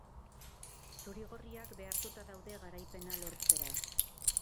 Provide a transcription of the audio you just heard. Zuri-gorriak behartuta daude garaipena lortzera.